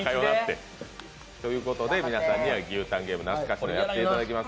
皆さんには牛タンゲーム、懐かしいのをやっていただきます。